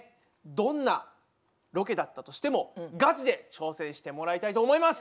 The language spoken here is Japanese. どんなロケだったとしてもガチで挑戦してもらいたいと思います！